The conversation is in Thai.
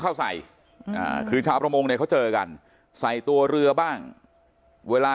เข้าใส่คือชาวประมงเนี่ยเขาเจอกันใส่ตัวเรือบ้างเวลา